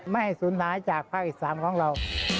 ไม่ให้สูญหายจากภาคอีสานของเรา